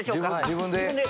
自分で。